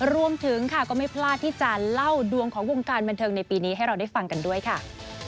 รวมถึงค่ะก็ไม่พลาดที่จะเล่าดวงของวงการบันเทิงในปีนี้ให้เราได้ฟังกันด้วยค่ะ